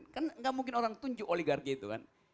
kan nggak mungkin orang tunjuk oligarki itu kan